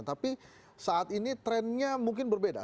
tapi saat ini trennya mungkin berbeda